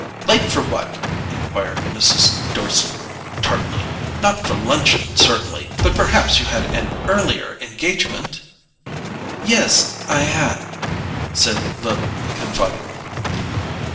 "Late for what?" enquired Mrs. Dorset tartly. "Not for luncheon, certainly—but perhaps you had an earlier engagement?" "Yes, I had," said Lily confidingly.